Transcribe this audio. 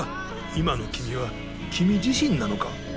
今の君は君自身なのか？